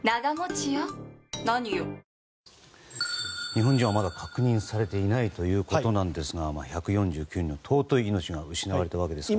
日本人はまだ確認されていないということですが１４９人の尊い命が失われたわけですね。